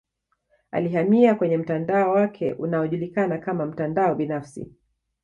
Alihamia kwenye mtandao wake unaojulikana kama mtandao binafsi